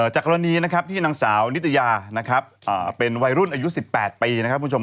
จากกรณีที่นางสาวนิตยาเป็นวัยรุ่นอายุ๑๘ปี